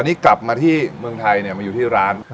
นี่กลับมาที่เมืองไทยมาอยู่ที่ร้าน